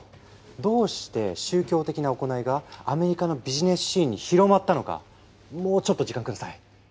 どうして宗教的な行いがアメリカのビジネスシーンに広まったのかもうちょっと時間下さい。